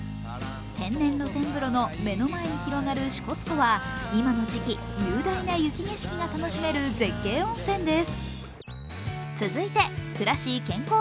天然露天風呂の目の前に広がる支笏湖は、今の時期、雄大な雪景色が楽しめる絶景温泉です。